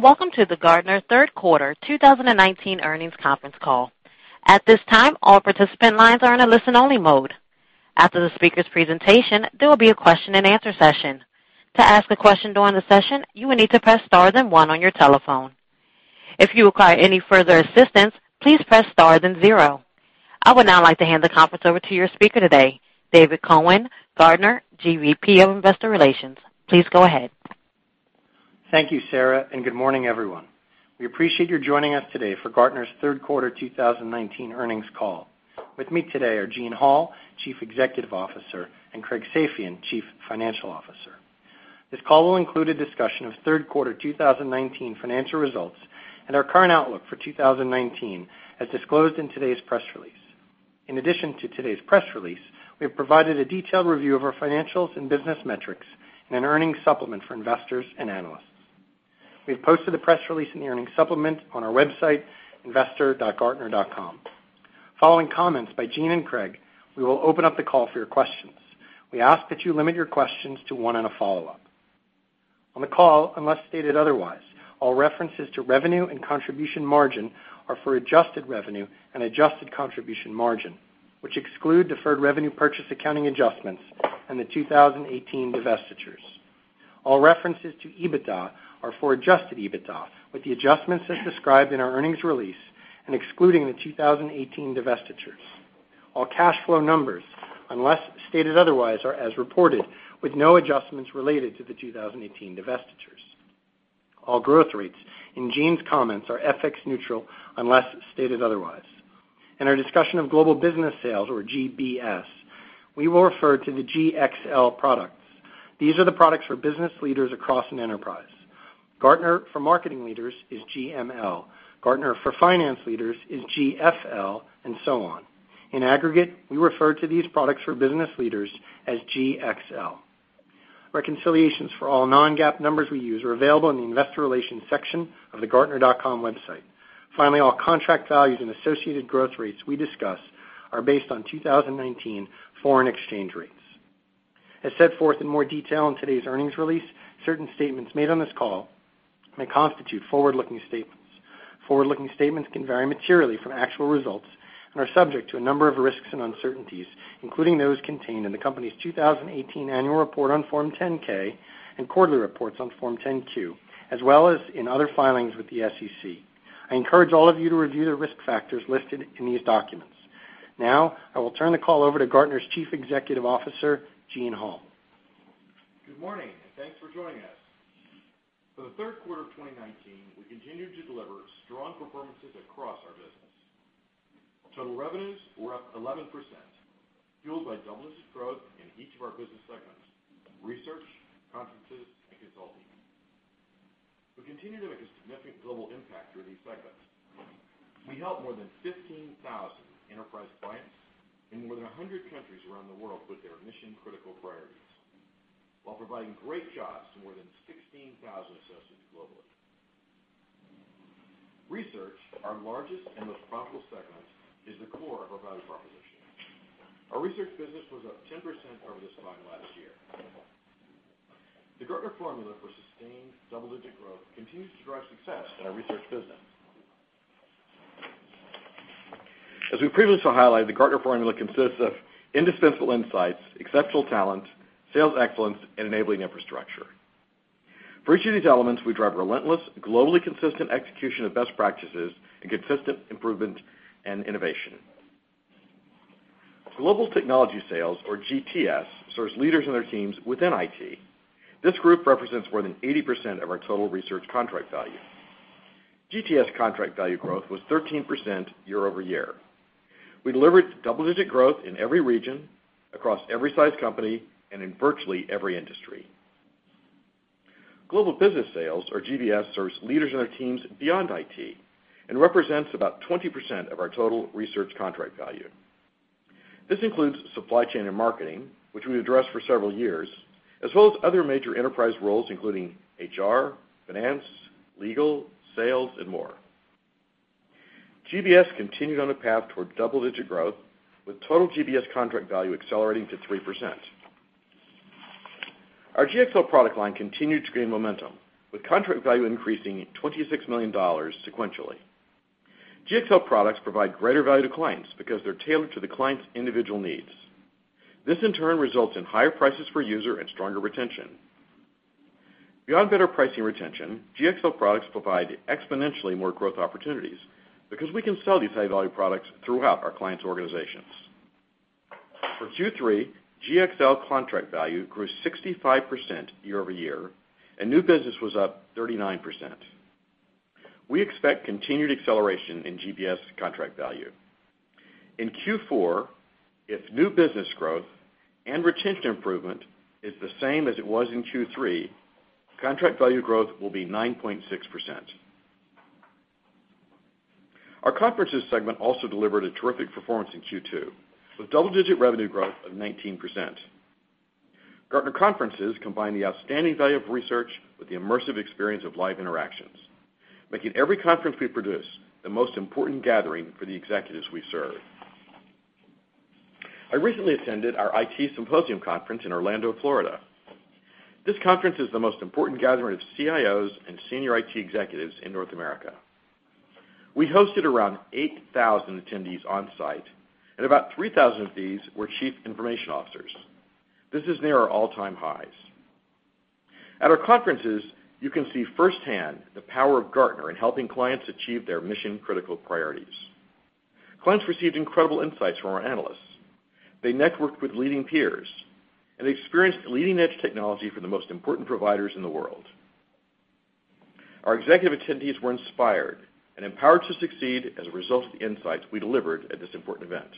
Welcome to the Gartner third quarter 2019 earnings conference call. At this time, all participant lines are in a listen-only mode. After the speaker's presentation, there will be a question and answer session. To ask a question during the session, you will need to press star then 1 on your telephone. If you require any further assistance, please press star then 0. I would now like to hand the conference over to your speaker today, David Cohen, Gartner GVP of Investor Relations. Please go ahead. Thank you, Sara, and good morning, everyone. We appreciate you joining us today for Gartner's third quarter 2019 earnings call. With me today are Eugene Hall, Chief Executive Officer, and Craig Safian, Chief Financial Officer. This call will include a discussion of third quarter 2019 financial results and our current outlook for 2019 as disclosed in today's press release. In addition to today's press release, we have provided a detailed review of our financials and business metrics in an earnings supplement for investors and analysts. We have posted the press release and the earnings supplement on our website, investor.gartner.com. Following comments by Gene and Craig, we will open up the call for your questions. We ask that you limit your questions to one and a follow-up. On the call, unless stated otherwise, all references to revenue and contribution margin are for adjusted revenue and adjusted contribution margin, which exclude deferred revenue purchase accounting adjustments in the 2018 divestitures. All references to EBITDA are for adjusted EBITDA with the adjustments as described in our earnings release and excluding the 2018 divestitures. All cash flow numbers, unless stated otherwise, are as reported with no adjustments related to the 2018 divestitures. All growth rates in Gene's comments are FX neutral unless stated otherwise. In our discussion of global business sales, or GBS, we will refer to the Gxl products. These are the products for business leaders across an enterprise. Gartner for marketing leaders is GML. Gartner for finance leaders is GFL, and so on. In aggregate, we refer to these products for business leaders as Gxl. Reconciliations for all non-GAAP numbers we use are available in the investor relations section of the gartner.com website. Finally, all contract values and associated growth rates we discuss are based on 2019 foreign exchange rates. As set forth in more detail in today's earnings release, certain statements made on this call may constitute forward-looking statements. Forward-looking statements can vary materially from actual results and are subject to a number of risks and uncertainties, including those contained in the company's 2018 annual report on Form 10-K and quarterly reports on Form 10-Q, as well as in other filings with the SEC. I encourage all of you to review the risk factors listed in these documents. Now, I will turn the call over to Gartner's Chief Executive Officer, Eugene Hall. Good morning, and thanks for joining us. For the third quarter of 2019, we continued to deliver strong performances across our business. Total revenues were up 11%, fueled by double-digit growth in each of our business segments: research, conferences, and consulting. We continue to make a significant global impact through these segments. We help more than 15,000 enterprise clients in more than 100 countries around the world with their mission-critical priorities while providing great jobs to more than 16,000 associates globally. Research, our largest and most profitable segment, is the core of our value proposition. Our research business was up 10% over this time last year. The Gartner formula for sustained double-digit growth continues to drive success in our research business. As we previously highlighted, the Gartner formula consists of indispensable insights, exceptional talent, sales excellence, and enabling infrastructure. For each of these elements, we drive relentless, globally consistent execution of best practices and consistent improvement and innovation. Global Technology Sales, or GTS, serves leaders and their teams within IT. This group represents more than 80% of our total research contract value. GTS contract value growth was 13% year-over-year. We delivered double-digit growth in every region, across every size company, and in virtually every industry. Global Business Sales, or GBS, serves leaders and their teams beyond IT and represents about 20% of our total research contract value. This includes supply chain and marketing, which we addressed for several years, as well as other major enterprise roles, including HR, finance, legal, sales, and more. GBS continued on a path toward double-digit growth, with total GBS contract value accelerating to 3%. Our GxL product line continued to gain momentum, with contract value increasing $26 million sequentially. GxL products provide greater value to clients because they're tailored to the client's individual needs. This, in turn, results in higher prices per user and stronger retention. Beyond better pricing retention, GxL products provide exponentially more growth opportunities because we can sell these high-value products throughout our clients' organizations. For Q3, GxL contract value grew 65% year-over-year, and new business was up 39%. We expect continued acceleration in GBS contract value. In Q4, if new business growth and retention improvement is the same as it was in Q3, contract value growth will be 9.6%. Our conferences segment also delivered a terrific performance in Q2, with double-digit revenue growth of 19%. Gartner Conferences combine the outstanding value of research with the immersive experience of live interactions, making every conference we produce the most important gathering for the executives we serve. I recently attended our IT Symposium conference in Orlando, Florida. This conference is the most important gathering of CIOs and senior IT executives in North America. We hosted around 8,000 attendees on site, and about 3,000 of these were Chief Information Officers. This is near our all-time highs. At our conferences, you can see firsthand the power of Gartner in helping clients achieve their mission-critical priorities. Clients received incredible insights from our analysts. They networked with leading peers, and they experienced leading-edge technology from the most important providers in the world. Our executive attendees were inspired and empowered to succeed as a result of the insights we delivered at this important event.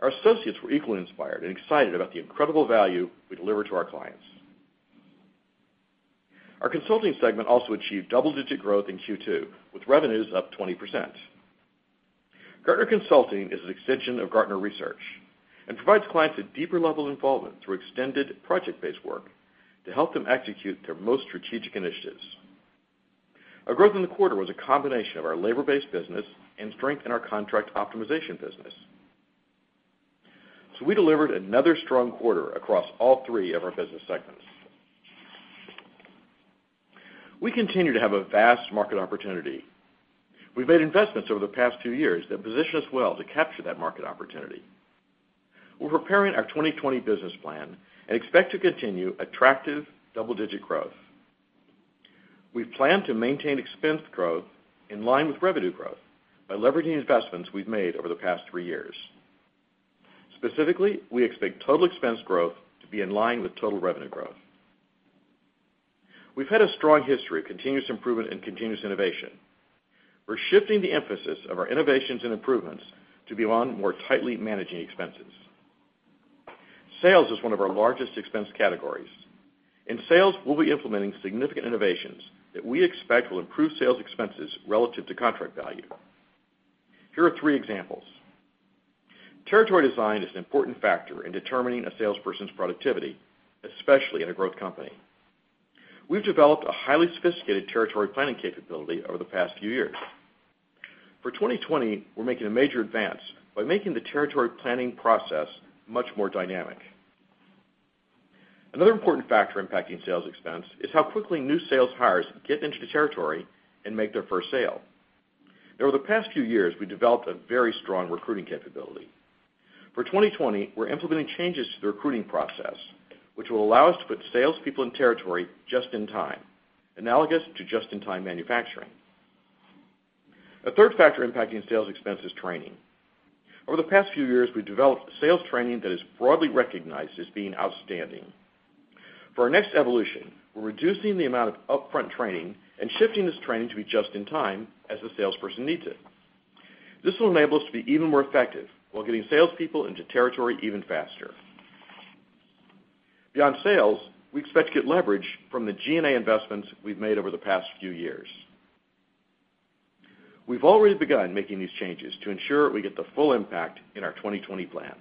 Our associates were equally inspired and excited about the incredible value we deliver to our clients. Our consulting segment also achieved double-digit growth in Q2, with revenues up 20%. Gartner Consulting is an extension of Gartner Research and provides clients a deeper level of involvement through extended project-based work to help them execute their most strategic initiatives. Our growth in the quarter was a combination of our labor-based business and strength in our contract optimization business. We delivered another strong quarter across all three of our business segments. We continue to have a vast market opportunity. We've made investments over the past two years that position us well to capture that market opportunity. We're preparing our 2020 business plan and expect to continue attractive double-digit growth. We plan to maintain expense growth in line with revenue growth by leveraging the investments we've made over the past three years. Specifically, we expect total expense growth to be in line with total revenue growth. We've had a strong history of continuous improvement and continuous innovation. We're shifting the emphasis of our innovations and improvements to be on more tightly managing expenses. Sales is one of our largest expense categories. In sales, we'll be implementing significant innovations that we expect will improve sales expenses relative to contract value. Here are three examples. Territory design is an important factor in determining a salesperson's productivity, especially at a growth company. We've developed a highly sophisticated territory planning capability over the past few years. For 2020, we're making a major advance by making the territory planning process much more dynamic. Another important factor impacting sales expense is how quickly new sales hires get into the territory and make their first sale. Over the past few years, we developed a very strong recruiting capability. For 2020, we're implementing changes to the recruiting process, which will allow us to put salespeople in territory just in time, analogous to just-in-time manufacturing. A third factor impacting sales expense is training. Over the past few years, we've developed sales training that is broadly recognized as being outstanding. For our next evolution, we're reducing the amount of upfront training and shifting this training to be just in time, as the salesperson needs it. This will enable us to be even more effective while getting salespeople into territory even faster. Beyond sales, we expect to get leverage from the G&A investments we've made over the past few years. We've already begun making these changes to ensure we get the full impact in our 2020 plan.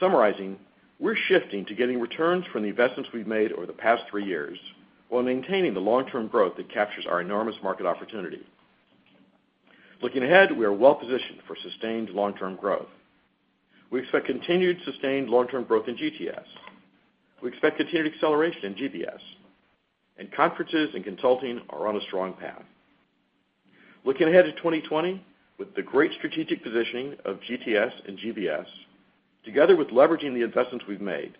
Summarizing, we're shifting to getting returns from the investments we've made over the past three years while maintaining the long-term growth that captures our enormous market opportunity. Looking ahead, we are well-positioned for sustained long-term growth. We expect continued sustained long-term growth in GTS. We expect continued acceleration in GBS. Conferences and consulting are on a strong path. Looking ahead to 2020, with the great strategic positioning of GTS and GBS, together with leveraging the investments we've made,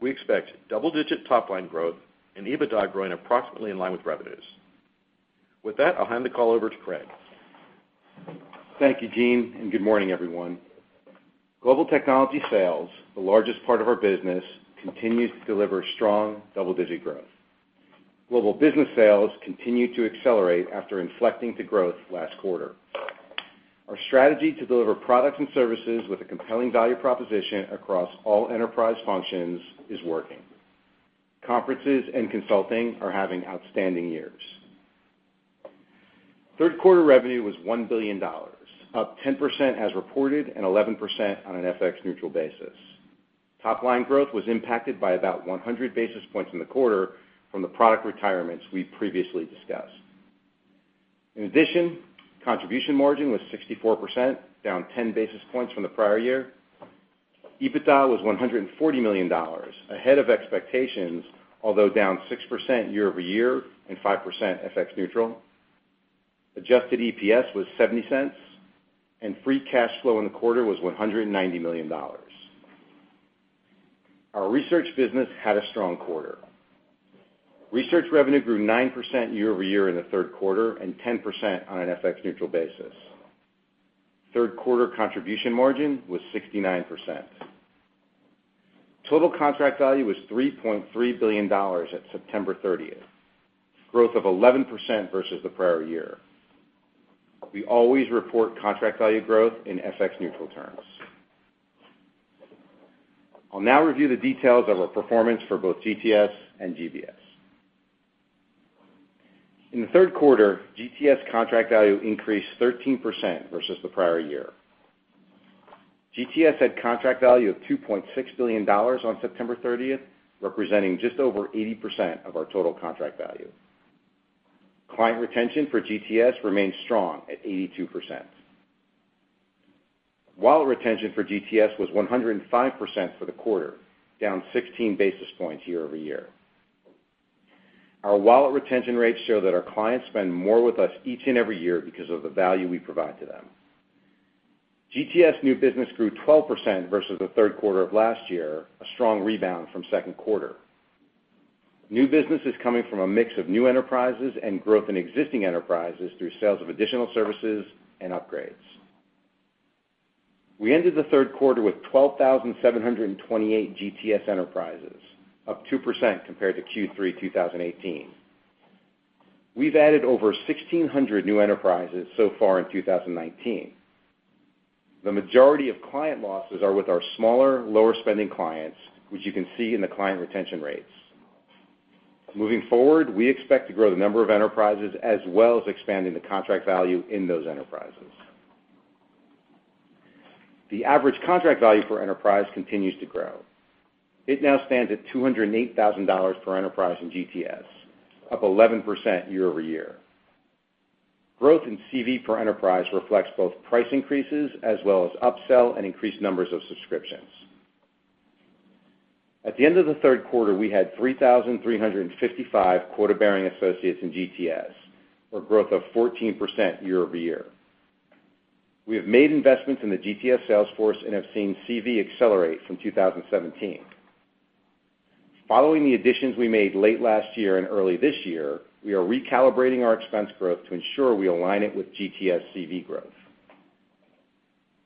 we expect double-digit top-line growth and EBITDA growing approximately in line with revenues. I'll hand the call over to Craig. Thank you, Gene. Good morning, everyone. Global Technology Sales, the largest part of our business, continues to deliver strong double-digit growth. Global Business Sales continue to accelerate after inflecting to growth last quarter. Our strategy to deliver products and services with a compelling value proposition across all enterprise functions is working. Conferences and consulting are having outstanding years. Third quarter revenue was $1 billion, up 10% as reported, and 11% on an FX-neutral basis. Top-line growth was impacted by about 100 basis points in the quarter from the product retirements we've previously discussed. In addition, contribution margin was 64%, down 10 basis points from the prior year. EBITDA was $140 million, ahead of expectations, although down 6% year-over-year and 5% FX-neutral. Adjusted EPS was $0.70, and free cash flow in the quarter was $190 million. Our research business had a strong quarter. Research revenue grew 9% year-over-year in the third quarter and 10% on an FX neutral basis. Third quarter contribution margin was 69%. Total contract value was $3.3 billion at September 30th, growth of 11% versus the prior year. We always report contract value growth in FX neutral terms. I'll now review the details of our performance for both GTS and GBS. In the third quarter, GTS contract value increased 13% versus the prior year. GTS had contract value of $2.6 billion on September 30th, representing just over 80% of our total contract value. Client retention for GTS remains strong at 82%. Wallet retention for GTS was 105% for the quarter, down 16 basis points year-over-year. Our wallet retention rates show that our clients spend more with us each and every year because of the value we provide to them. GTS new business grew 12% versus the third quarter of last year, a strong rebound from second quarter. New business is coming from a mix of new enterprises and growth in existing enterprises through sales of additional services and upgrades. We ended the third quarter with 12,728 GTS enterprises, up 2% compared to Q3 2018. We've added over 1,600 new enterprises so far in 2019. The majority of client losses are with our smaller, lower-spending clients, which you can see in the client retention rates. Moving forward, we expect to grow the number of enterprises as well as expanding the contract value in those enterprises. The average contract value for enterprise continues to grow. It now stands at $208,000 per enterprise in GTS, up 11% year-over-year. Growth in CV per enterprise reflects both price increases as well as upsell and increased numbers of subscriptions. At the end of the third quarter, we had 3,355 quota-bearing associates in GTS, or growth of 14% year-over-year. We have made investments in the GTS sales force and have seen CV accelerate from 2017. Following the additions we made late last year and early this year, we are recalibrating our expense growth to ensure we align it with GTS CV growth.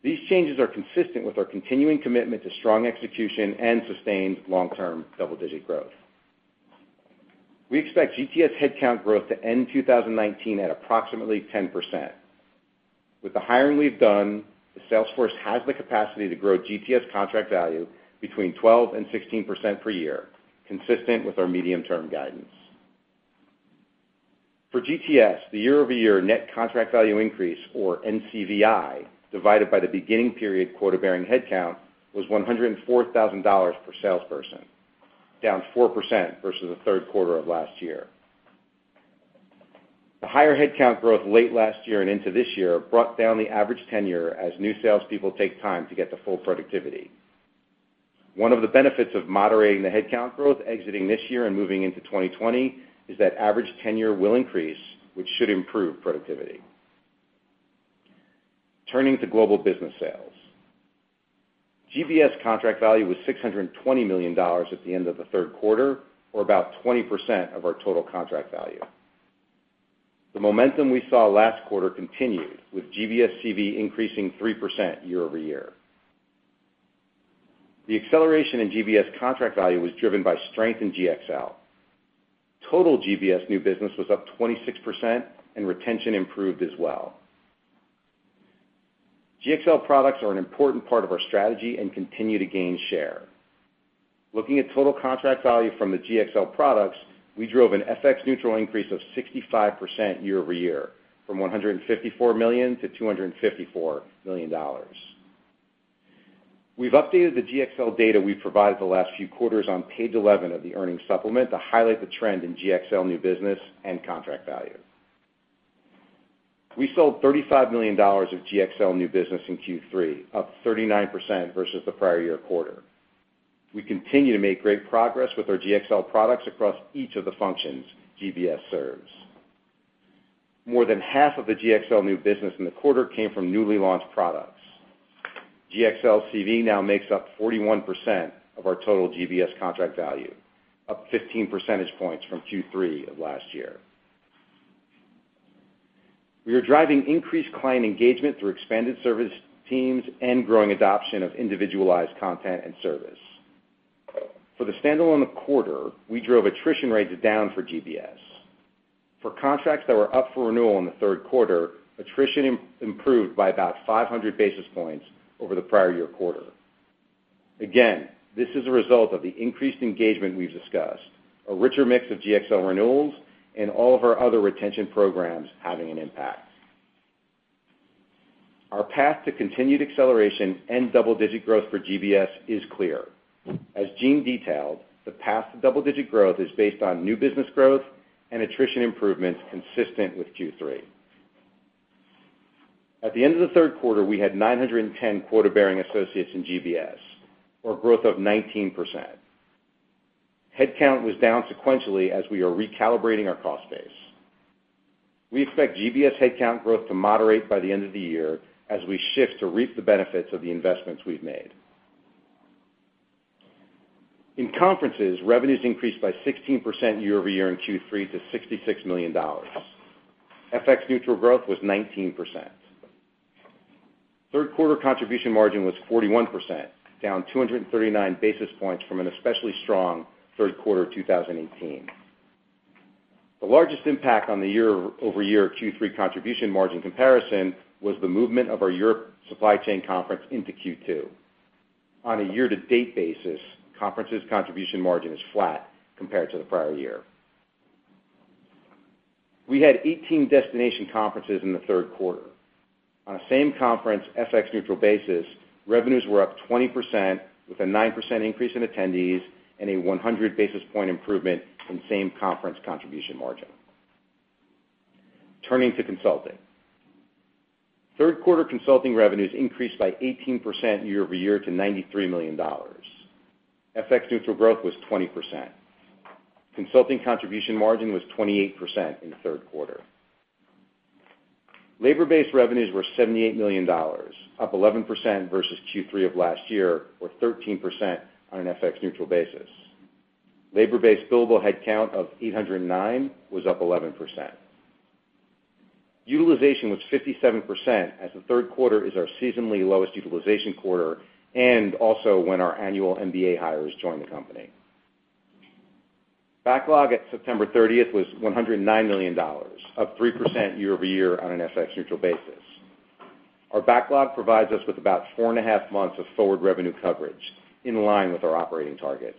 These changes are consistent with our continuing commitment to strong execution and sustained long-term double-digit growth. We expect GTS headcount growth to end 2019 at approximately 10%. With the hiring we've done, the sales force has the capacity to grow GTS contract value between 12% and 16% per year, consistent with our medium-term guidance. For GTS, the year-over-year net contract value increase, or NCVI, divided by the beginning period quota-bearing headcount was $104,000 per salesperson, down 4% versus the third quarter of last year. The higher headcount growth late last year and into this year brought down the average tenure as new salespeople take time to get to full productivity. One of the benefits of moderating the headcount growth exiting this year and moving into 2020 is that average tenure will increase, which should improve productivity. Turning to global business sales. GBS contract value was $620 million at the end of the third quarter, or about 20% of our total contract value. The momentum we saw last quarter continued, with GBS CV increasing 3% year-over-year. The acceleration in GBS contract value was driven by strength in GXL. Total GBS new business was up 26%, and retention improved as well. GXL products are an important part of our strategy and continue to gain share. Looking at total contract value from the GxL products, we drove an FX neutral increase of 65% year-over-year from $154 million-$254 million. We've updated the GxL data we've provided the last few quarters on page 11 of the earnings supplement to highlight the trend in GxL new business and contract value. We sold $35 million of GxL new business in Q3, up 39% versus the prior year quarter. We continue to make great progress with our GxL products across each of the functions GBS serves. More than half of the GxL new business in the quarter came from newly launched products. GxL CV now makes up 41% of our total GBS contract value, up 15 percentage points from Q3 of last year. We are driving increased client engagement through expanded service teams and growing adoption of individualized content and service. For the standalone quarter, we drove attrition rates down for GBS. For contracts that were up for renewal in the third quarter, attrition improved by about 500 basis points over the prior year quarter. Again, this is a result of the increased engagement we've discussed, a richer mix of GxL renewals, and all of our other retention programs having an impact. Our path to continued acceleration and double-digit growth for GBS is clear. As Gene detailed, the path to double-digit growth is based on new business growth and attrition improvements consistent with Q3. At the end of the third quarter, we had 910 quota-bearing associates in GBS, or growth of 19%. Headcount was down sequentially as we are recalibrating our cost base. We expect GBS headcount growth to moderate by the end of the year as we shift to reap the benefits of the investments we've made. In conferences, revenues increased by 16% year-over-year in Q3 to $66 million. FX neutral growth was 19%. Third quarter contribution margin was 41%, down 239 basis points from an especially strong third quarter of 2018. The largest impact on the year-over-year Q3 contribution margin comparison was the movement of our Europe supply chain conference into Q2. On a year-to-date basis, conferences contribution margin is flat compared to the prior year. We had 18 destination conferences in the third quarter. On a same conference FX neutral basis, revenues were up 20% with a 9% increase in attendees and a 100 basis point improvement in same conference contribution margin. Turning to consulting. Third quarter consulting revenues increased by 18% year-over-year to $93 million. FX neutral growth was 20%. Consulting contribution margin was 28% in the third quarter. Labor-based revenues were $78 million, up 11% versus Q3 of last year, or 13% on an FX-neutral basis. Labor-based billable headcount of 809 was up 11%. Utilization was 57% as the third quarter is our seasonally lowest utilization quarter and also when our annual MBA hires join the company. Backlog at September 30th was $109 million, up 3% year-over-year on an FX-neutral basis. Our backlog provides us with about four and a half months of forward revenue coverage, in line with our operating targets.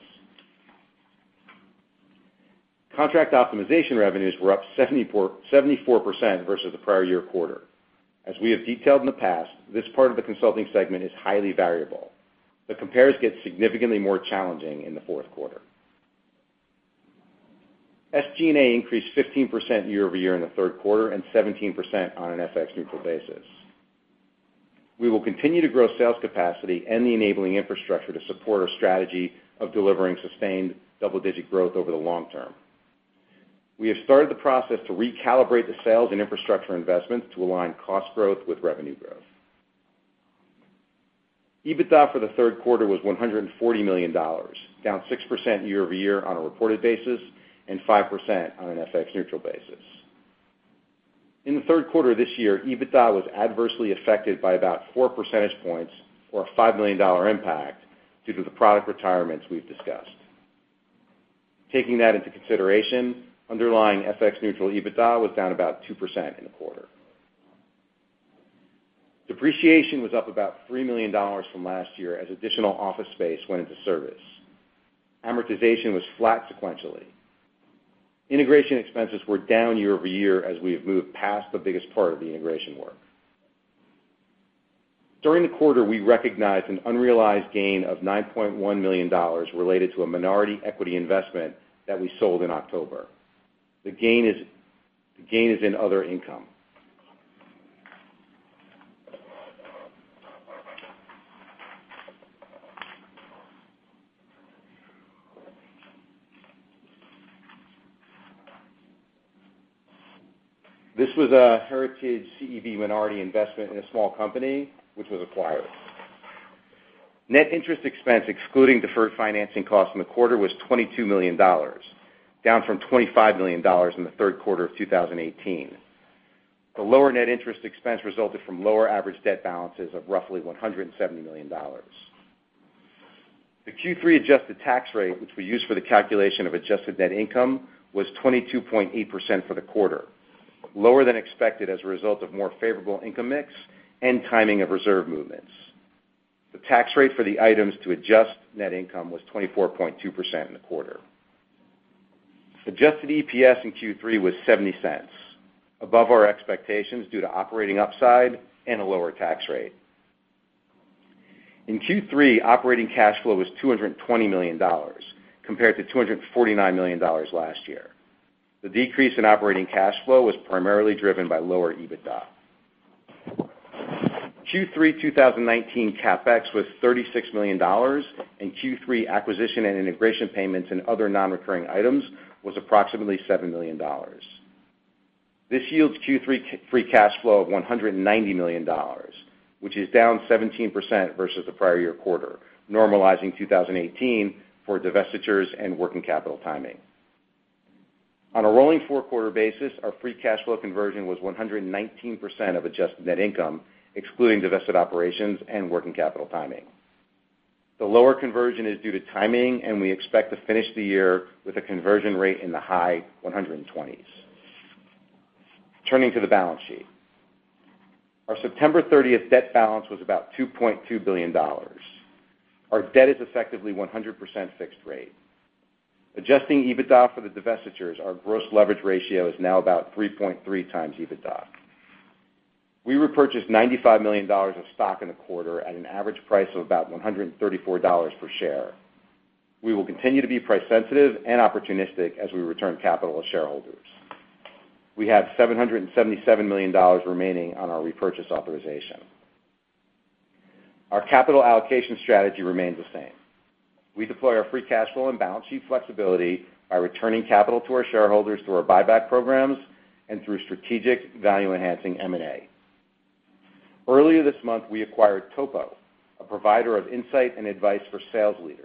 Contract optimization revenues were up 74% versus the prior year quarter. The compares get significantly more challenging in the fourth quarter. SG&A increased 15% year-over-year in the third quarter and 17% on an FX-neutral basis. We will continue to grow sales capacity and the enabling infrastructure to support our strategy of delivering sustained double-digit growth over the long term. We have started the process to recalibrate the sales and infrastructure investments to align cost growth with revenue growth. EBITDA for the third quarter was $140 million, down 6% year-over-year on a reported basis and 5% on an FX neutral basis. In the third quarter this year, EBITDA was adversely affected by about 4 percentage points or a $5 million impact due to the product retirements we've discussed. Taking that into consideration, underlying FX neutral EBITDA was down about 2% in the quarter. Depreciation was up about $3 million from last year as additional office space went into service. Amortization was flat sequentially. Integration expenses were down year-over-year as we have moved past the biggest part of the integration work. During the quarter, we recognized an unrealized gain of $9.1 million related to a minority equity investment that we sold in October. The gain is in other income. This was a heritage CEB minority investment in a small company, which was acquired. Net interest expense excluding deferred financing costs in the quarter was $22 million, down from $25 million in the third quarter of 2018. The lower net interest expense resulted from lower average debt balances of roughly $170 million. The Q3 adjusted tax rate, which we use for the calculation of adjusted net income, was 22.8% for the quarter, lower than expected as a result of more favorable income mix and timing of reserve movements. The tax rate for the items to adjust net income was 24.2% in the quarter. Adjusted EPS in Q3 was $0.70, above our expectations due to operating upside and a lower tax rate. In Q3, operating cash flow was $220 million compared to $249 million last year. The decrease in operating cash flow was primarily driven by lower EBITDA. Q3 2019 CapEx was $36 million, and Q3 acquisition and integration payments and other non-recurring items was approximately $7 million. This yields Q3 free cash flow of $190 million, which is down 17% versus the prior year quarter, normalizing 2018 for divestitures and working capital timing. On a rolling four-quarter basis, our free cash flow conversion was 119% of adjusted net income, excluding divested operations and working capital timing. The lower conversion is due to timing, and we expect to finish the year with a conversion rate in the high 120s. Turning to the balance sheet. Our September 30th debt balance was about $2.2 billion. Our debt is effectively 100% fixed rate. Adjusting EBITDA for the divestitures, our gross leverage ratio is now about 3.3 times EBITDA. We repurchased $95 million of stock in the quarter at an average price of about $134 per share. We will continue to be price sensitive and opportunistic as we return capital to shareholders. We have $777 million remaining on our repurchase authorization. Our capital allocation strategy remains the same. We deploy our free cash flow and balance sheet flexibility by returning capital to our shareholders through our buyback programs and through strategic value-enhancing M&A. Earlier this month, we acquired TOPO, a provider of insight and advice for sales leaders.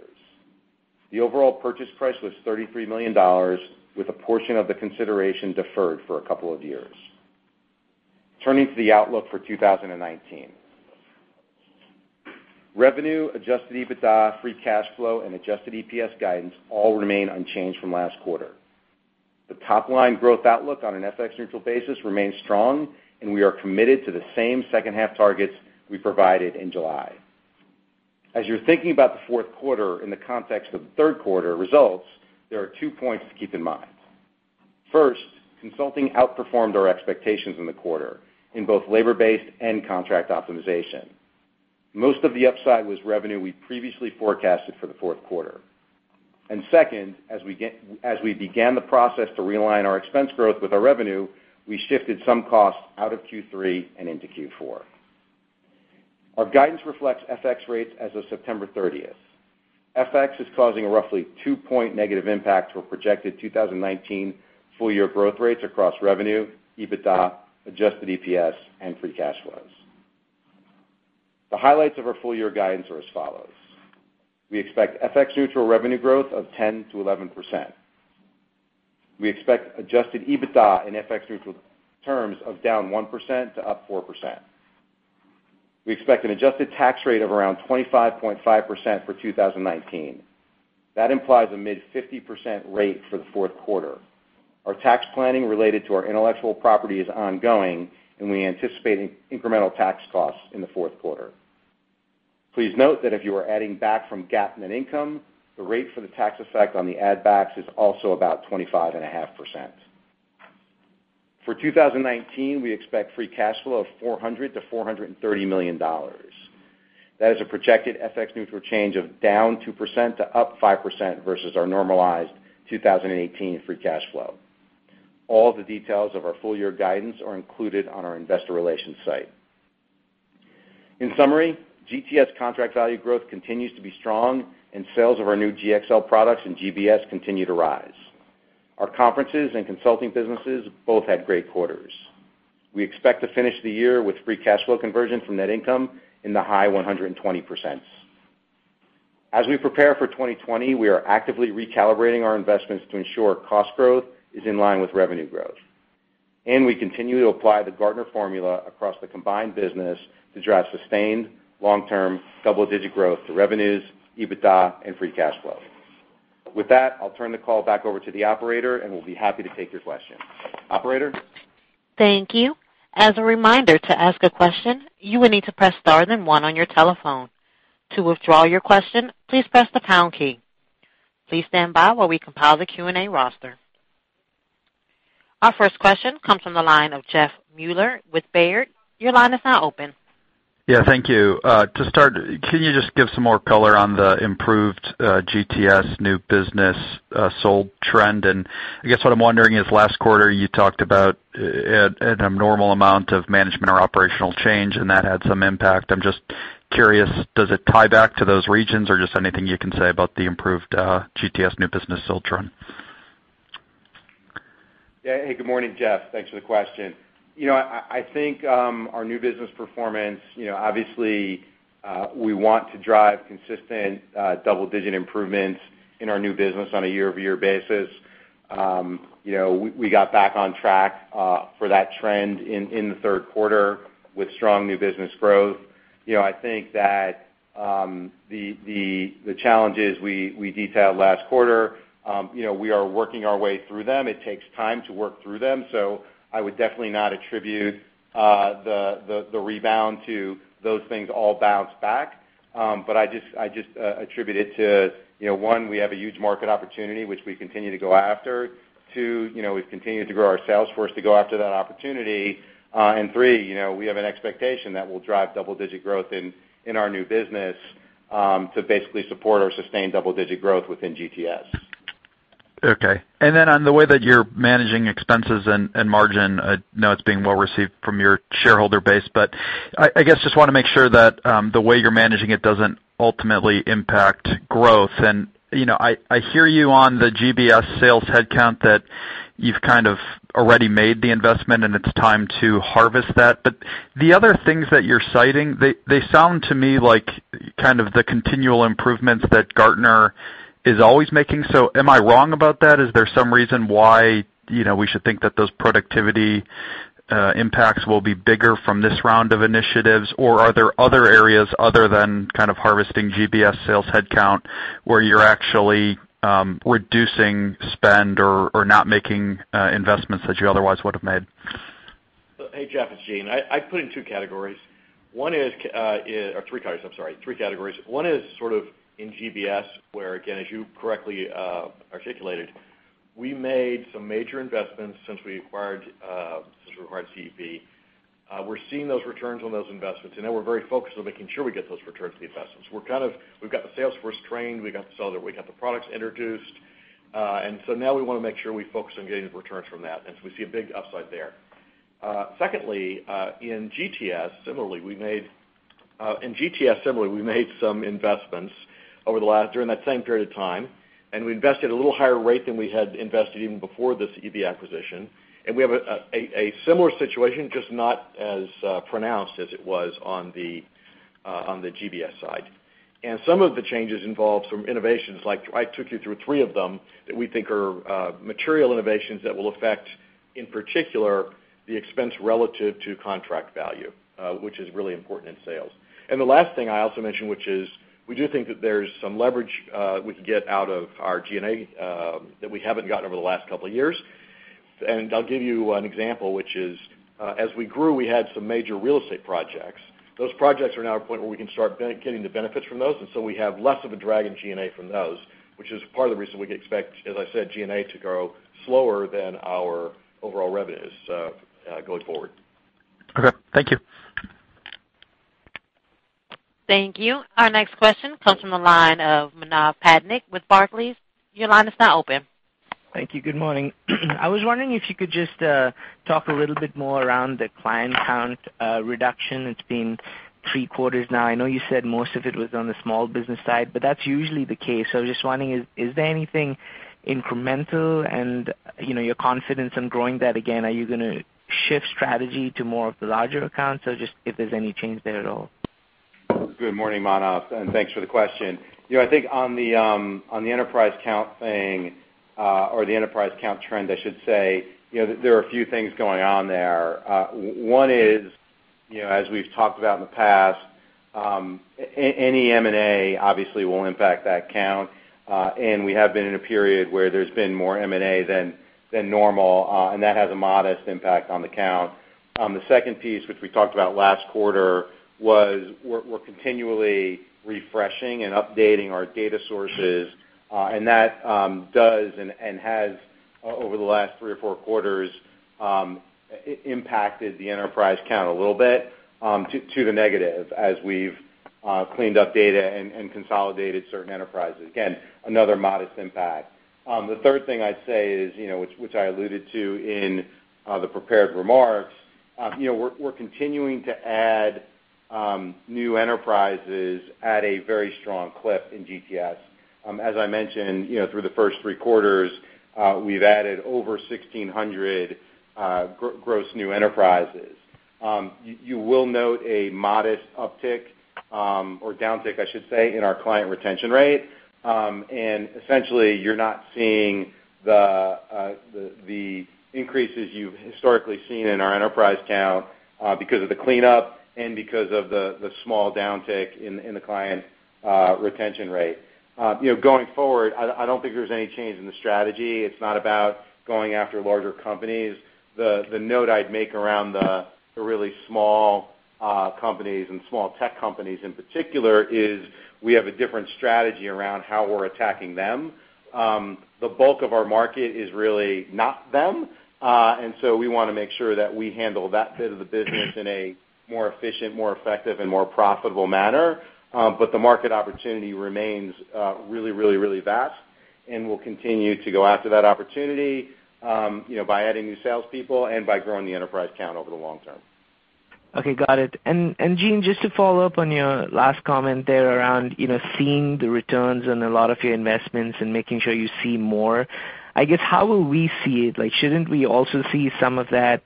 The overall purchase price was $33 million, with a portion of the consideration deferred for a couple of years. Turning to the outlook for 2019. Revenue, adjusted EBITDA, free cash flow, and adjusted EPS guidance all remain unchanged from last quarter. The top-line growth outlook on an FX neutral basis remains strong, and we are committed to the same second-half targets we provided in July. As you're thinking about the fourth quarter in the context of the third quarter results, there are 2 points to keep in mind. First, consulting outperformed our expectations in the quarter in both labor-based and contract optimization. Most of the upside was revenue we previously forecasted for the fourth quarter. Second, as we began the process to realign our expense growth with our revenue, we shifted some costs out of Q3 and into Q4. Our guidance reflects FX rates as of September 30th. FX is causing a roughly 2-point negative impact to our projected 2019 full-year growth rates across revenue, EBITDA, adjusted EPS, and free cash flows. The highlights of our full-year guidance are as follows. We expect FX-neutral revenue growth of 10%-11%. We expect adjusted EBITDA in FX-neutral terms of down 1% to up 4%. We expect an adjusted tax rate of around 25.5% for 2019. That implies a mid 50% rate for the fourth quarter. Our tax planning related to our intellectual property is ongoing, and we anticipate incremental tax costs in the fourth quarter. Please note that if you are adding back from GAAP net income, the rate for the tax effect on the add backs is also about 25.5%. For 2019, we expect free cash flow of $400 million-$430 million. That is a projected FX-neutral change of down 2% to up 5% versus our normalized 2018 free cash flow. All the details of our full-year guidance are included on our investor relations site. In summary, GTS contract value growth continues to be strong, and sales of our new GxL products and GBS continue to rise. Our conferences and consulting businesses both had great quarters. We expect to finish the year with free cash flow conversion from net income in the high 120%. As we prepare for 2020, we are actively recalibrating our investments to ensure cost growth is in line with revenue growth. We continue to apply the Gartner formula across the combined business to drive sustained long-term double-digit growth to revenues, EBITDA, and free cash flow. With that, I'll turn the call back over to the operator, and we'll be happy to take your questions. Operator? Thank you. As a reminder, to ask a question, you will need to press star then one on your telephone. To withdraw your question, please press the pound key. Please stand by while we compile the Q&A roster. Our first question comes from the line of Jeffrey Meuler with Baird. Your line is now open. Yeah, thank you. To start, can you just give some more color on the improved GTS new business sold trend? I guess what I'm wondering is, last quarter you talked about an abnormal amount of management or operational change, and that had some impact. I'm just curious, does it tie back to those regions or just anything you can say about the improved GTS new business sold trend? Hey, good morning, Jeff. Thanks for the question. I think our new business performance, obviously, we want to drive consistent double-digit improvements in our new business on a year-over-year basis. We got back on track for that trend in the third quarter with strong new business growth. I think that the challenges we detailed last quarter, we are working our way through them. It takes time to work through them. I would definitely not attribute the rebound to those things all bounce back. I just attribute it to one, we have a huge market opportunity which we continue to go after. Two, we've continued to grow our sales force to go after that opportunity. Three, we have an expectation that we'll drive double-digit growth in our new business to basically support our sustained double-digit growth within GTS. Okay. On the way that you're managing expenses and margin, I know it's being well received from your shareholder base, but I guess just want to make sure that the way you're managing it doesn't ultimately impact growth. I hear you on the GBS sales headcount that you've kind of already made the investment and it's time to harvest that. The other things that you're citing, they sound to me like the continual improvements that Gartner is always making. Am I wrong about that? Is there some reason why we should think that those productivity impacts will be bigger from this round of initiatives? Are there other areas other than harvesting GBS sales headcount where you're actually reducing spend or not making investments that you otherwise would have made? Hey, Jeff, it's Gene. I put in 2 categories. 3 categories, I'm sorry. 3 categories. One is sort of in GBS where, again, as you correctly articulated, we made some major investments since we acquired CEB. We're seeing those returns on those investments. Now we're very focused on making sure we get those returns on the investments. We've got the sales force trained, we got the products introduced. Now we want to make sure we focus on getting the returns from that. We see a big upside there. Secondly, in GTS, similarly, we made some investments during that same period of time. We invested at a little higher rate than we had invested even before this CEB acquisition. We have a similar situation, just not as pronounced as it was on the GBS side. Some of the changes involve some innovations like I took you through three of them that we think are material innovations that will affect, in particular, the expense relative to contract value, which is really important in sales. The last thing I also mentioned, which is we do think that there's some leverage we can get out of our G&A that we haven't gotten over the last couple of years. I'll give you an example, which is, as we grew, we had some major real estate projects. Those projects are now at a point where we can start getting the benefits from those, and so we have less of a drag in G&A from those, which is part of the reason we expect, as I said, G&A to grow slower than our overall revenues going forward. Okay. Thank you. Thank you. Our next question comes from the line of Manav Patnaik with Barclays. Your line is now open. Thank you. Good morning. I was wondering if you could just talk a little bit more around the client count reduction. It's been three quarters now. I know you said most of it was on the small business side, but that's usually the case. Just wondering, is there anything incremental and your confidence in growing that again? Are you going to shift strategy to more of the larger accounts, or just if there's any change there at all? Good morning, Manav, and thanks for the question. I think on the enterprise count thing, or the enterprise count trend, I should say, there are a few things going on there. One is, as we've talked about in the past, any M&A obviously will impact that count. We have been in a period where there's been more M&A than normal, and that has a modest impact on the count. The second piece, which we talked about last quarter, was we're continually refreshing and updating our data sources, and that does and has, over the last three or four quarters, impacted the enterprise count a little bit, to the negative as we've cleaned up data and consolidated certain enterprises. Again, another modest impact. The third thing I'd say is, which I alluded to in the prepared remarks, we're continuing to add new enterprises at a very strong clip in GTS. As I mentioned, through the first three quarters, we've added over 1,600 gross new enterprises. You will note a modest uptick, or downtick, I should say, in our client retention rate. Essentially, you're not seeing the increases you've historically seen in our enterprise count because of the cleanup and because of the small downtick in the client retention rate. Going forward, I don't think there's any change in the strategy. It's not about going after larger companies. The note I'd make around the really small companies and small tech companies in particular is we have a different strategy around how we're attacking them. The bulk of our market is really not them, we want to make sure that we handle that bit of the business in a more efficient, more effective, and more profitable manner. The market opportunity remains really vast, and we'll continue to go after that opportunity by adding new salespeople and by growing the enterprise count over the long term. Okay, got it. Gene, just to follow up on your last comment there around seeing the returns on a lot of your investments and making sure you see more, I guess how will we see it? Shouldn't we also see some of that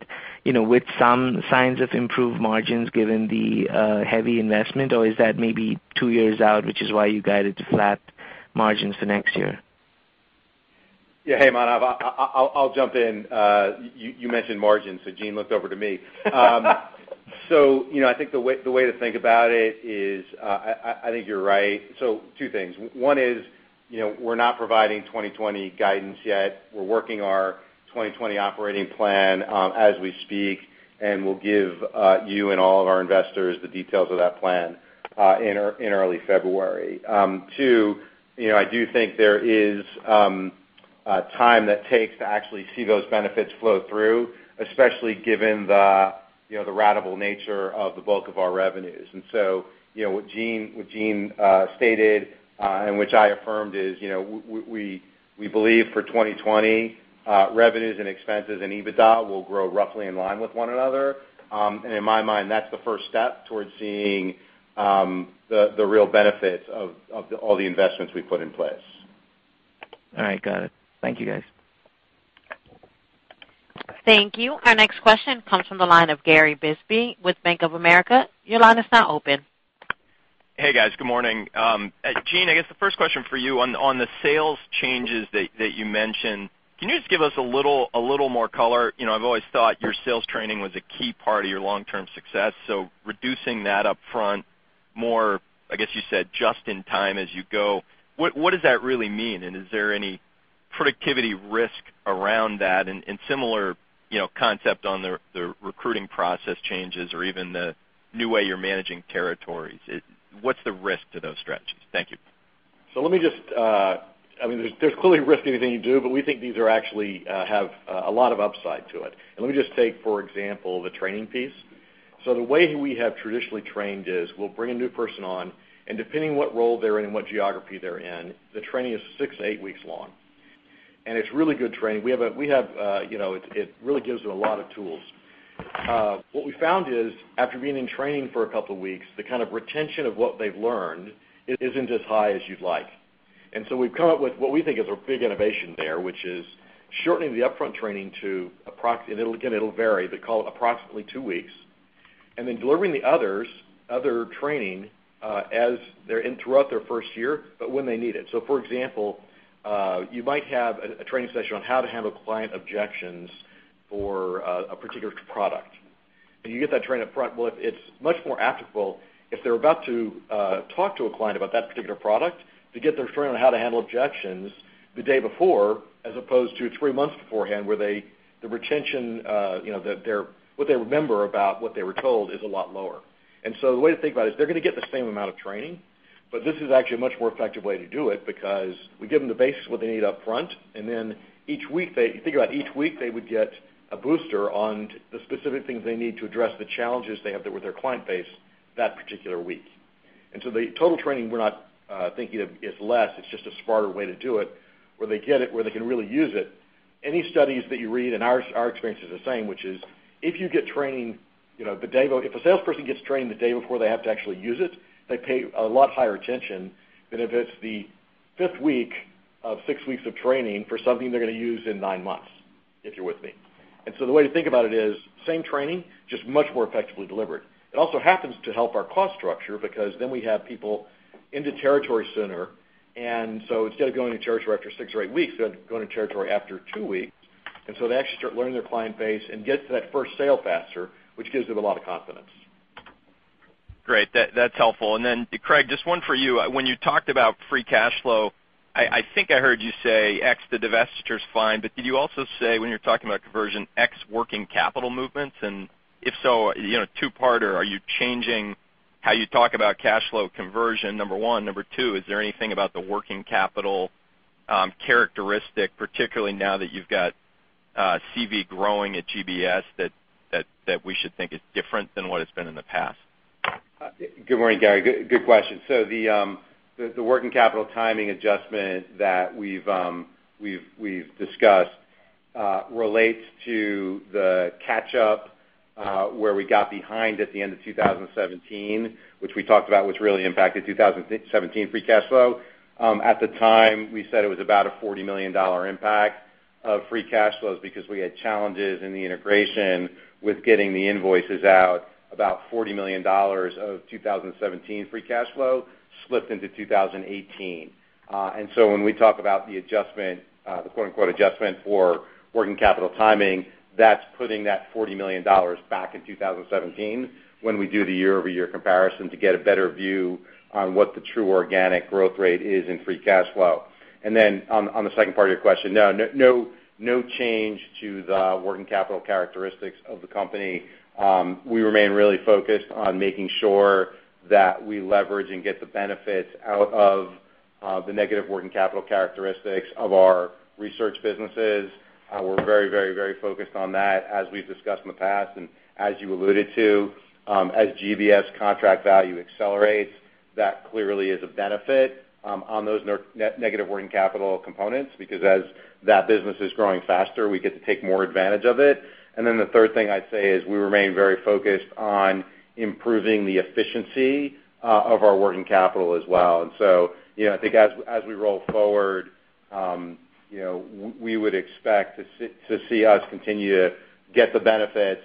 with some signs of improved margins given the heavy investment? Or is that maybe two years out, which is why you guided to flat margins for next year? Hey, Manav. I'll jump in. You mentioned margins, Gene looked over to me. I think the way to think about it is, I think you're right. Two things. One is, we're not providing 2020 guidance yet. We're working our 2020 operating plan as we speak, and we'll give you and all of our investors the details of that plan in early February. Two, I do think there is time that it takes to actually see those benefits flow through, especially given the ratable nature of the bulk of our revenues. What Gene stated, and which I affirmed, is we believe for 2020, revenues and expenses and EBITDA will grow roughly in line with one another. In my mind, that's the first step towards seeing the real benefits of all the investments we've put in place. All right. Got it. Thank you, guys. Thank you. Our next question comes from the line of Gary Bisbee with Bank of America. Your line is now open. Hey, guys. Good morning. Gene, I guess the first question for you on the sales changes that you mentioned, can you just give us a little more color? I've always thought your sales training was a key part of your long-term success. Reducing that upfront more, I guess you said, just in time as you go, what does that really mean? Is there any productivity risk around that? Similar concept on the recruiting process changes or even the new way you're managing territories, what's the risk to those strategies? Thank you. There's clearly risk in anything you do, but we think these actually have a lot of upside to it. Let me just take, for example, the training piece. The way we have traditionally trained is we'll bring a new person on, and depending what role they're in and what geography they're in, the training is six to eight weeks long. It's really good training. It really gives them a lot of tools. What we found is after being in training for a couple of weeks, the kind of retention of what they've learned isn't as high as you'd like. We've come up with what we think is a big innovation there, which is shortening the upfront training to, and again, it'll vary, but call it approximately two weeks, and then delivering the other training as they're in throughout their first year, but when they need it. For example, you might have a training session on how to handle client objections for a particular product. You get that training up front. Well, it's much more applicable if they're about to talk to a client about that particular product, to get their training on how to handle objections the day before, as opposed to 3 months beforehand, where the retention, what they remember about what they were told is a lot lower. The way to think about it is, they're going to get the same amount of training, but this is actually a much more effective way to do it because we give them the basics of what they need up front, and then if you think about it, each week they would get a booster on the specific things they need to address the challenges they have with their client base that particular week. The total training, we're not thinking of, is less, it's just a smarter way to do it, where they get it, where they can really use it. Any studies that you read, and our experience is the same, which is if a salesperson gets trained the day before they have to actually use it, they pay a lot higher attention than if it's the fifth week of six weeks of training for something they're going to use in nine months, if you're with me. The way to think about it is, same training, just much more effectively delivered. It also happens to help our cost structure because then we have people into territory sooner. Instead of going to territory after six or eight weeks, they're going to territory after two weeks, and so they actually start learning their client base and get to that first sale faster, which gives them a lot of confidence. Great. That's helpful. Then, Craig, just one for you. When you talked about free cash flow, I think I heard you say X the divestiture is fine, but did you also say when you're talking about conversion X working capital movements? If so, two parter, are you changing how you talk about cash flow conversion, number one? Number two, is there anything about the working capital characteristic, particularly now that you've got CV growing at GBS, that we should think is different than what it's been in the past? Good morning, Gary. Good question. The working capital timing adjustment that we've discussed relates to the catch-up where we got behind at the end of 2017, which we talked about what's really impacted 2017 free cash flow. At the time, we said it was about a $40 million impact of free cash flows because we had challenges in the integration with getting the invoices out. About $40 million of 2017 free cash flow slipped into 2018. When we talk about the adjustment, the quote-unquote, adjustment for working capital timing, that's putting that $40 million back in 2017 when we do the year-over-year comparison to get a better view on what the true organic growth rate is in free cash flow. On the second part of your question, no change to the working capital characteristics of the company. We remain really focused on making sure that we leverage and get the benefits out of the negative working capital characteristics of our research businesses. We're very focused on that, as we've discussed in the past, and as you alluded to. As GBS contract value accelerates, that clearly is a benefit on those negative working capital components because as that business is growing faster, we get to take more advantage of it. The third thing I'd say is we remain very focused on improving the efficiency of our working capital as well. I think as we roll forward, we would expect to see us continue to get the benefits,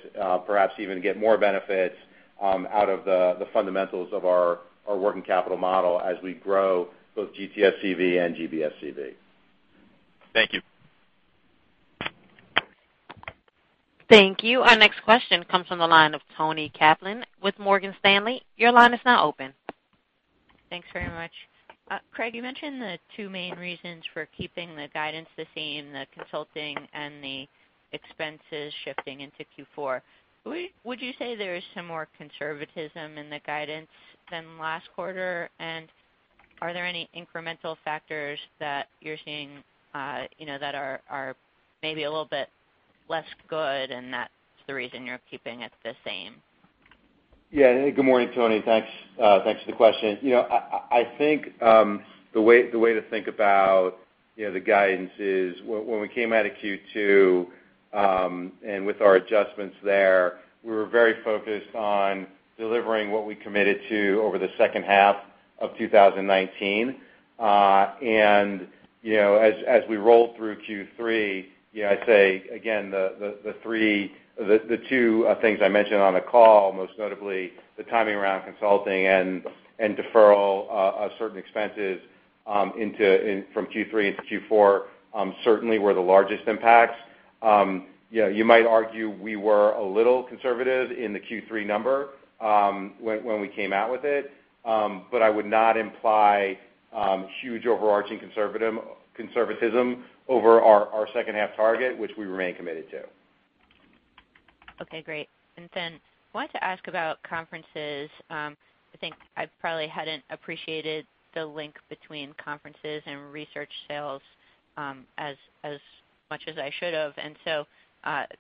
perhaps even get more benefits out of the fundamentals of our working capital model as we grow both GTS CV and GBS CV. Thank you. Thank you. Our next question comes from the line of Toni Kaplan with Morgan Stanley. Your line is now open. Thanks very much. Craig, you mentioned the two main reasons for keeping the guidance the same, the consulting and the expenses shifting into Q4. Would you say there is some more conservatism in the guidance than last quarter? Are there any incremental factors that you're seeing that are maybe a little bit less good and that's the reason you're keeping it the same? Good morning, Toni. Thanks for the question. I think the way to think about the guidance is when we came out of Q2, and with our adjustments there, we were very focused on delivering what we committed to over the second half of 2019. As we rolled through Q3, I'd say again, the two things I mentioned on the call, most notably the timing around consulting and deferral of certain expenses from Q3 into Q4, certainly were the largest impacts. You might argue we were a little conservative in the Q3 number when we came out with it, but I would not imply huge overarching conservatism over our second half target, which we remain committed to. Okay, great. I wanted to ask about conferences. I think I probably hadn't appreciated the link between conferences and research sales as much as I should have.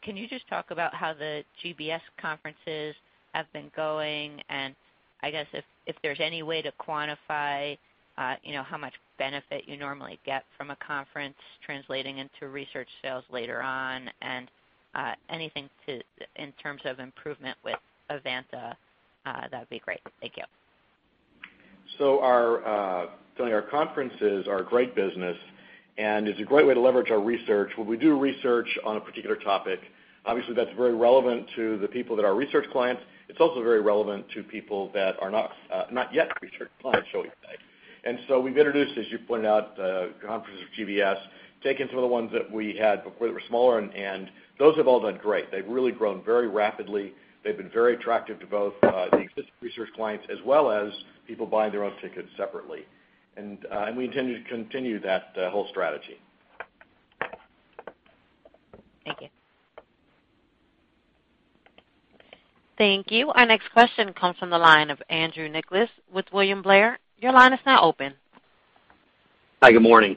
Can you just talk about how the GBS conferences have been going? I guess if there's any way to quantify how much benefit you normally get from a conference translating into research sales later on, and anything in terms of improvement with Evanta, that'd be great. Thank you. Toni, our conferences are a great business, and it's a great way to leverage our research. When we do research on a particular topic, obviously that's very relevant to the people that are research clients. It's also very relevant to people that are not yet research clients, shall we say. We've introduced, as you pointed out, conferences with GBS, taken some of the ones that we had before that were smaller, and those have all done great. They've really grown very rapidly. They've been very attractive to both the existing research clients as well as people buying their own tickets separately. We intend to continue that whole strategy. Thank you. Thank you. Our next question comes from the line of Andrew Nicholas with William Blair. Your line is now open. Hi, good morning.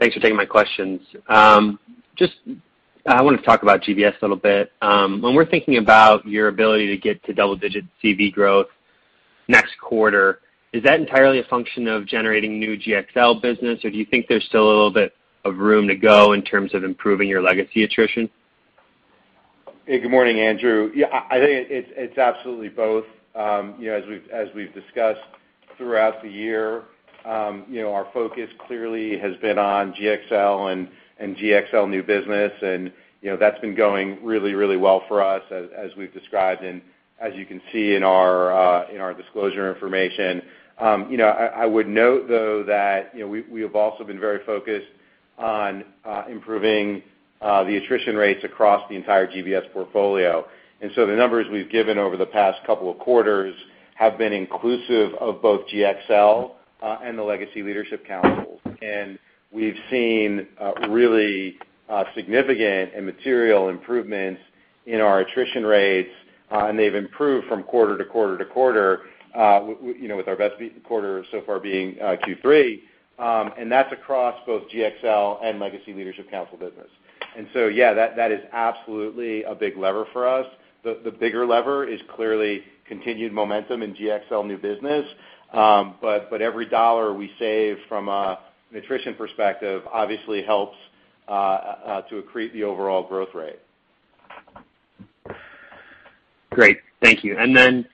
Thanks for taking my questions. I wanted to talk about GBS a little bit. When we're thinking about your ability to get to double-digit CV growth next quarter, is that entirely a function of generating new GxL business? Or do you think there's still a little bit of room to go in terms of improving your legacy attrition? Hey, good morning, Andrew. Yeah, I think it's absolutely both. As we've discussed throughout the year, our focus clearly has been on GxL and GxL new business, and that's been going really well for us, as we've described, and as you can see in our disclosure information. I would note, though, that we have also been very focused on improving the attrition rates across the entire GBS portfolio. The numbers we've given over the past couple of quarters have been inclusive of both GxL, and the Legacy Leadership Council. We've seen really significant and material improvements in our attrition rates, and they've improved from quarter to quarter to quarter, with our best quarter so far being Q3, and that's across both GxL and Legacy Leadership Council business. Yeah, that is absolutely a big lever for us. The bigger lever is clearly continued momentum in GxL new business. Every dollar we save from an attrition perspective obviously helps to accrete the overall growth rate. Great. Thank you. Within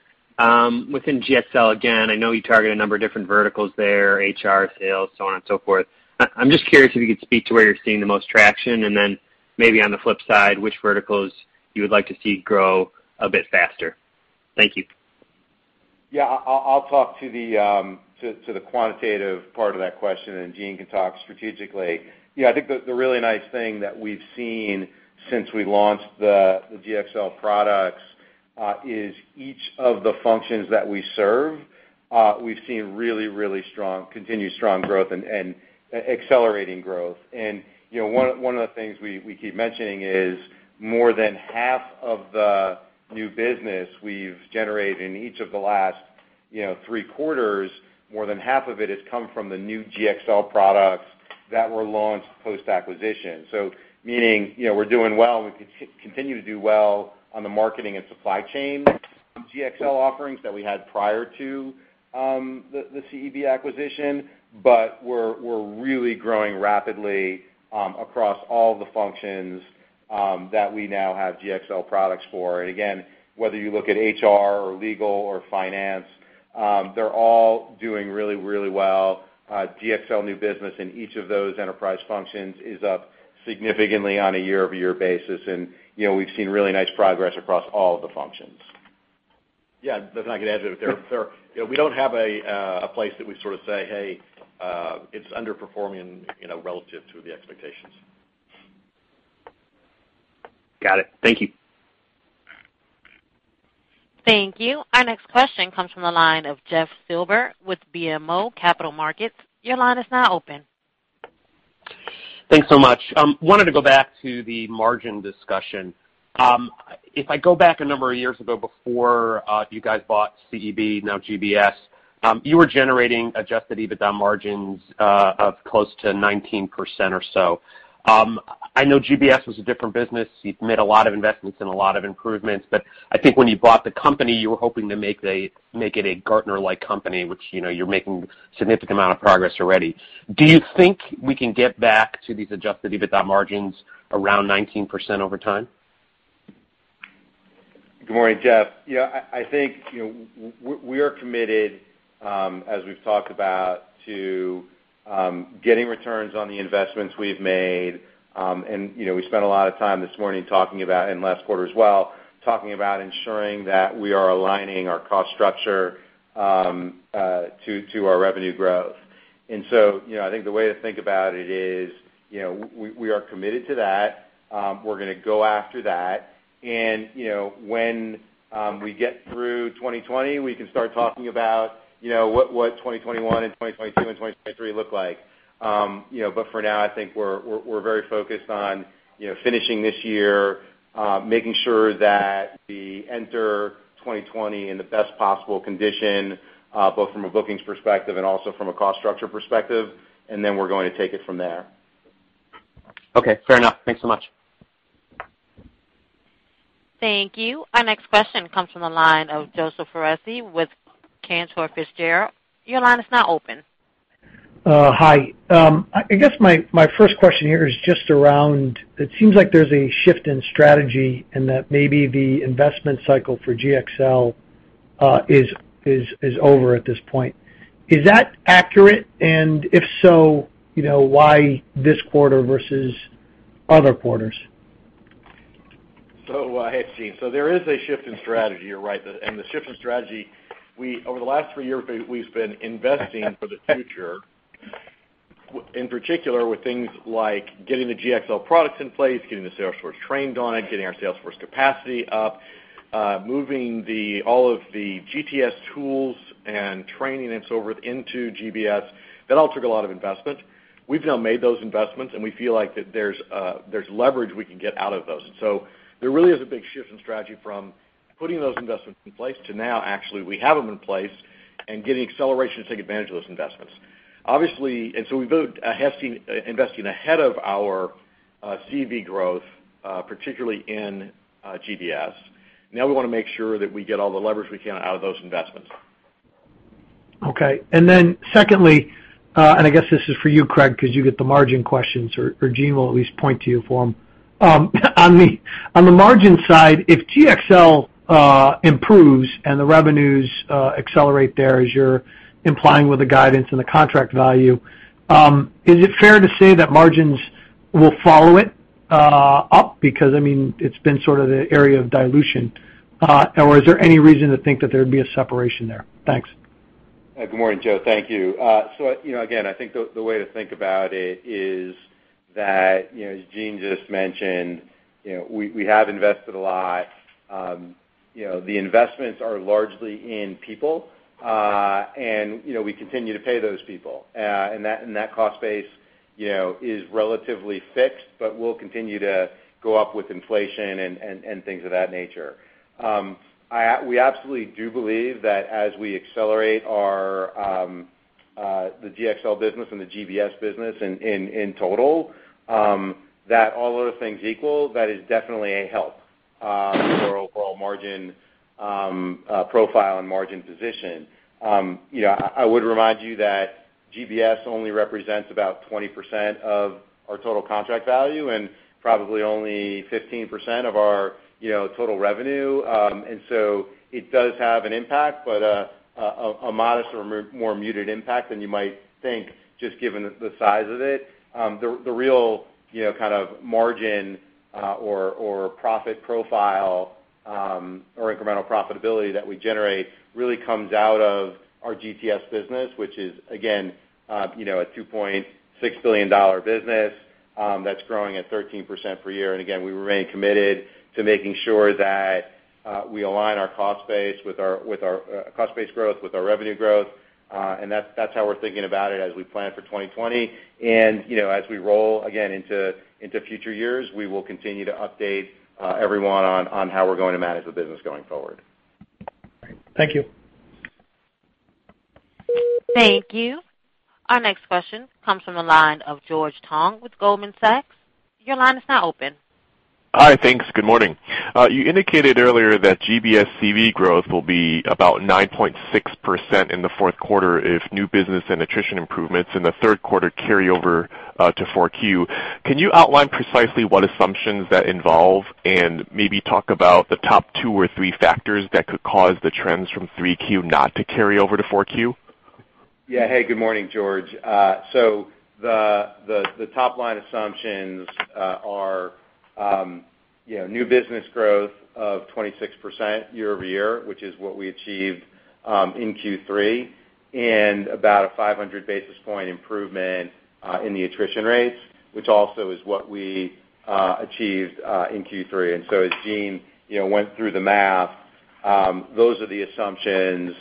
GxL, again, I know you target a number of different verticals there, HR, sales, so on and so forth. I'm just curious if you could speak to where you're seeing the most traction, and then maybe on the flip side, which verticals you would like to see grow a bit faster? Thank you. Yeah, I'll talk to the quantitative part of that question, and Gene can talk strategically. Yeah, I think the really nice thing that we've seen since we launched the GxL products, is each of the functions that we serve, we've seen really strong, continued strong growth and accelerating growth. One of the things we keep mentioning is more than half of the new business we've generated in each of the last three quarters, more than half of it has come from the new GxL products that were launched post-acquisition. Meaning, we're doing well, and we continue to do well on the marketing and supply chain GxL offerings that we had prior to the CEB acquisition. We're really growing rapidly across all the functions that we now have GxL products for. Again, whether you look at HR or legal or finance, they're all doing really well. GXL new business in each of those enterprise functions is up significantly on a year-over-year basis, and we've seen really nice progress across all of the functions. If I can add to it there. We don't have a place that we sort of say, "Hey, it's underperforming relative to the expectations. Got it. Thank you. Thank you. Our next question comes from the line of Jeffrey Silber with BMO Capital Markets. Your line is now open. Thanks so much. I wanted to go back to the margin discussion. If I go back a number of years ago, before you guys bought CEB, now GBS, you were generating adjusted EBITDA margins of close to 19% or so. I know GBS was a different business. You've made a lot of investments and a lot of improvements, but I think when you bought the company, you were hoping to make it a Gartner-like company, which you're making a significant amount of progress already. Do you think we can get back to these adjusted EBITDA margins around 19% over time? Good morning, Jeff. Yeah, I think we are committed, as we've talked about, to getting returns on the investments we've made. We spent a lot of time this morning talking about, and last quarter as well, talking about ensuring that we are aligning our cost structure to our revenue growth. So, I think the way to think about it is, we are committed to that. We're going to go after that. When we get through 2020, we can start talking about what 2021 and 2022 and 2023 look like. For now, I think we're very focused on finishing this year, making sure that we enter 2020 in the best possible condition, both from a bookings perspective and also from a cost structure perspective, and then we're going to take it from there. Okay, fair enough. Thanks so much. Thank you. Our next question comes from the line of Joseph Foresi with Cantor Fitzgerald. Your line is now open. Hi. I guess my first question here is just around, it seems like there's a shift in strategy, and that maybe the investment cycle for GxL is over at this point. Is that accurate? If so, why this quarter versus other quarters? Hey, Gene. There is a shift in strategy, you're right. The shift in strategy, over the last three years, we've been investing for the future, in particular, with things like getting the GxL products in place, getting the sales force trained on it, getting our sales force capacity up. Moving all of the GTS tools and training and so forth into GBS, that all took a lot of investment. We've now made those investments, and we feel like that there's leverage we can get out of those. There really is a big shift in strategy from putting those investments in place to now actually we have them in place and getting acceleration to take advantage of those investments. We've been investing ahead of our CV growth, particularly in GBS. Now we want to make sure that we get all the leverage we can out of those investments. Okay. Secondly, and I guess this is for you, Craig, because you get the margin questions, or Gene will at least point to you for them. On the margin side, if GxL improves and the revenues accelerate there as you're implying with the guidance and the contract value, is it fair to say that margins will follow it up? Because it's been sort of the area of dilution. Is there any reason to think that there'd be a separation there? Thanks. Good morning, Joe. Thank you. Again, I think the way to think about it is that, as Gene just mentioned, we have invested a lot. The investments are largely in people, and we continue to pay those people, and that cost base is relatively fixed, but will continue to go up with inflation and things of that nature. We absolutely do believe that as we accelerate the GxL business and the GBS business in total, that all other things equal, that is definitely a help for overall margin profile and margin position. I would remind you that GBS only represents about 20% of our total contract value and probably only 15% of our total revenue. It does have an impact, but a modest or more muted impact than you might think, just given the size of it. The real kind of margin or profit profile or incremental profitability that we generate really comes out of our GTS business, which is, again, a $2.6 billion business that's growing at 13% per year. Again, we remain committed to making sure that we align our cost base growth with our revenue growth. That's how we're thinking about it as we plan for 2020. As we roll again into future years, we will continue to update everyone on how we're going to manage the business going forward. Thank you. Thank you. Our next question comes from the line of George Tong with Goldman Sachs. Your line is now open. Hi, thanks. Good morning. You indicated earlier that GBS CV growth will be about 9.6% in the fourth quarter if new business and attrition improvements in the third quarter carry over to 4Q. Can you outline precisely what assumptions that involve and maybe talk about the top two or three factors that could cause the trends from 3Q not to carry over to 4Q? Hey, good morning, George. The top-line assumptions are new business growth of 26% year-over-year, which is what we achieved in Q3, and about a 500 basis point improvement in the attrition rates, which also is what we achieved in Q3. As Gene went through the math, those are the assumptions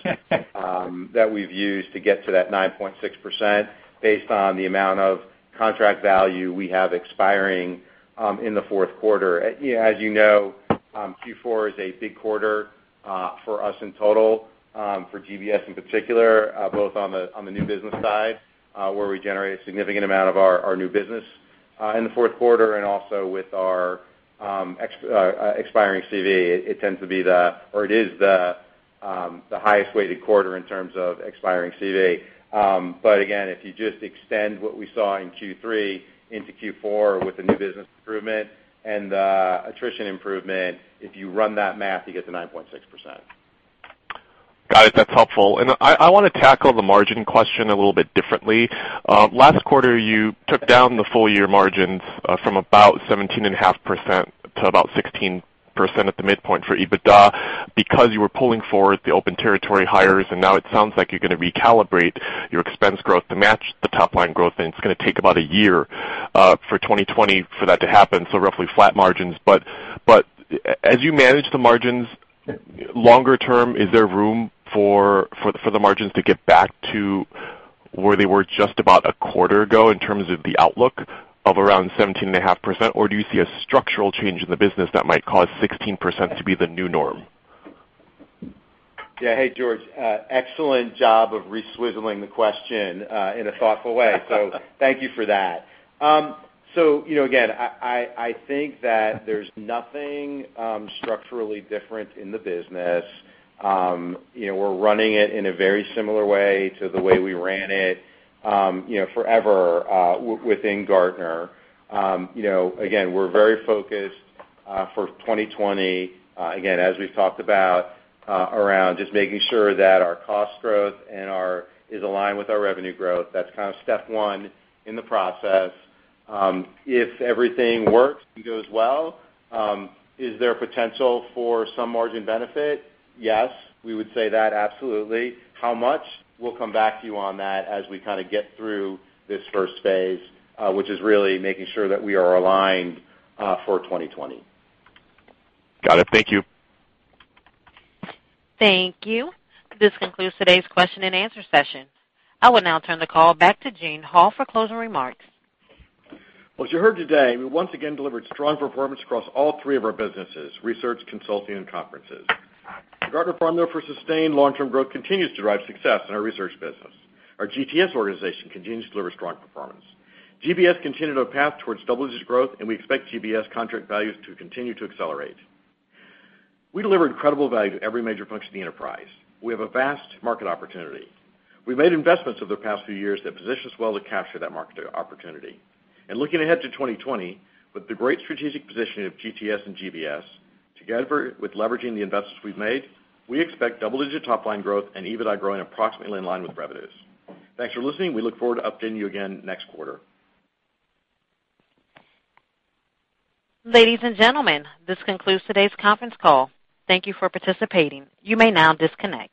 that we've used to get to that 9.6%, based on the amount of contract value we have expiring in the fourth quarter. As you know, Q4 is a big quarter for us in total, for GBS in particular, both on the new business side, where we generate a significant amount of our new business in the fourth quarter and also with our expiring CV. It tends to be the, or it is the highest weighted quarter in terms of expiring CV. Again, if you just extend what we saw in Q3 into Q4 with the new business improvement and attrition improvement, if you run that math, you get the 9.6%. Got it. That's helpful. I want to tackle the margin question a little bit differently. Last quarter, you took down the full-year margins from about 17.5% to about 16% at the midpoint for EBITDA, because you were pulling forward the open territory hires, and now it sounds like you're going to recalibrate your expense growth to match the top-line growth, and it's going to take about a year, for 2020, for that to happen, so roughly flat margins. As you manage the margins longer term, is there room for the margins to get back to where they were just about a quarter ago in terms of the outlook of around 17.5%? Do you see a structural change in the business that might cause 16% to be the new norm? Yeah. Hey, George. Excellent job of reswizzling the question in a thoughtful way. Thank you for that. Again, I think that there's nothing structurally different in the business. We're running it in a very similar way to the way we ran it forever within Gartner. Again, we're very focused for 2020, again, as we've talked about, around just making sure that our cost growth is aligned with our revenue growth. That's kind of step 1 in the process. If everything works and goes well, is there potential for some margin benefit? Yes, we would say that, absolutely. How much? We'll come back to you on that as we kind of get through this first phase, which is really making sure that we are aligned for 2020. Got it. Thank you. Thank you. This concludes today's question and answer session. I will now turn the call back to Eugene Hall for closing remarks. Well, as you heard today, we once again delivered strong performance across all three of our businesses, research, consulting, and conferences. The Gartner formula for sustained long-term growth continues to drive success in our research business. Our GTS organization continues to deliver strong performance. GBS continued on a path towards double-digit growth, and we expect GBS contract values to continue to accelerate. We deliver incredible value to every major function of the enterprise. We have a vast market opportunity. We've made investments over the past few years that position us well to capture that market opportunity. Looking ahead to 2020, with the great strategic positioning of GTS and GBS, together with leveraging the investments we've made, we expect double-digit top-line growth and EBITDA growing approximately in line with revenues. Thanks for listening. We look forward to updating you again next quarter. Ladies and gentlemen, this concludes today's conference call. Thank you for participating. You may now disconnect.